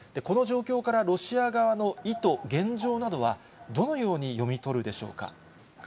この状況からロシア側の意図、現状などはどのように読み取るでしょうか。